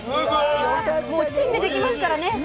もうチンでできますからね。